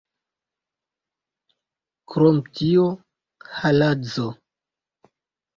Krom tio haladzo!